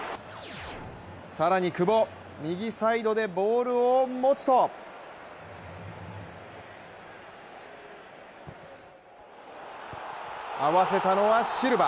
更に久保、右サイドでボールを持つと合わせたのはシルバ。